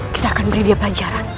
kita akan beri dia pelajaran